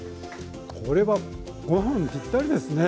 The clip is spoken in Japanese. これはご飯にぴったりですね。